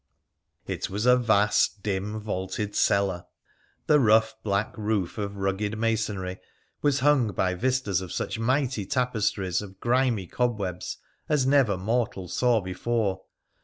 It was a vast, dim, vaulted cellar. The rough black roof of rugged masonry was hung by vistas of such mighty tapestries of grimy cobwebs as never mortal saw before.